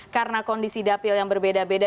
karena kondisi dapil yang berbeda beda